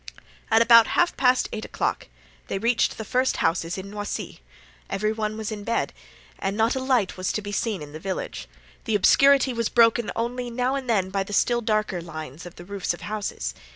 At about half past eight o'clock they reached the first houses in Noisy; every one was in bed and not a light was to be seen in the village. The obscurity was broken only now and then by the still darker lines of the roofs of houses.